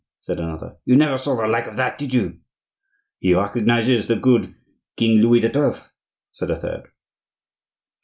said another; "you never saw the like of that, did you?" "He recognizes the good King Louis XII.," said a third.